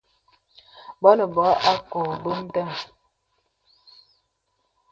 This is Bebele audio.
Bɔ̄ nə bɔ̄ à kɔ̄ɔ̄ bə̀ ndəŋ.